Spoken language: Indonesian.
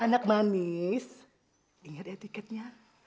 anak manis inget etiketnya